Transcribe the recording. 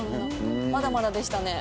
まだまだでしたね。